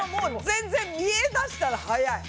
全然見えだしたら早い。